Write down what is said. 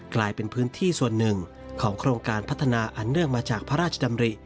กลายเป็นพื้นที่ส่วนหนึ่งของโครงการพัฒนาอันเนื่องมาจากพระราชดำริ